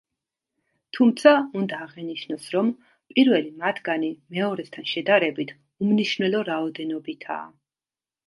თუმცა უნდა აღინიშნოს, რომ პირველი მათგანი მეორესთან შედარებით უმნიშვნელო რაოდენობითაა.